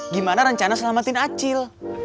gimana rencana selamatin acil